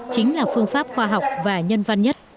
chính là phương pháp khoa học và nhân văn nhất